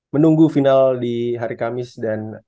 menunggu final di hari kamis dan